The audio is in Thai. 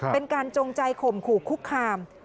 เป็นการจงใจข่มขู่คุกคาม